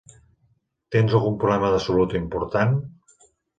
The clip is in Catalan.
Tens algun problema de salut important?